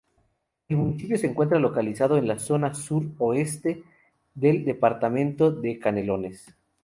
El municipio se encuentra localizado en la zona sur-oeste del departamento de Canelones.